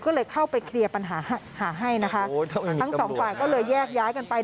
ก็เลยเข้าไปเคลียร์ปัญหาหาให้นะคะทั้งสองฝ่ายก็เลยแยกย้ายกันไป